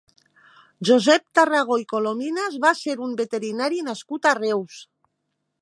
Josep Tarragó i Colominas va ser un veterinari nascut a Reus.